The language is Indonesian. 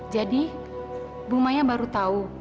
jadi bu maya baru tahu